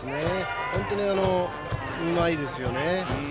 本当にうまいですよね。